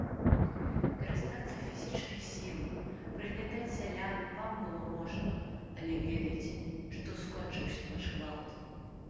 Карыстацца фізічнай сілай, прыгнятаць сялян вам было можна, але ведайце, што скончыўся ваш гвалт!